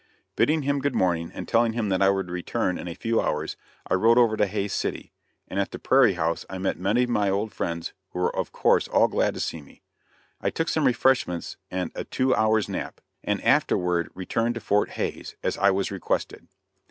Bidding him good morning, and telling him that I would return in a few hours, I rode over to Hays City, and at the Perry House I met many of my old friends who were of course all glad to see me. I took some refreshments and a two hours nap, and afterward returned to Fort Hays, as I was requested.